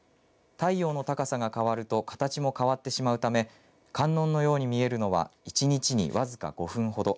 太陽の高さが変わると形も変わってしまうため観音のように見えるのは１日にわずか５分ほど。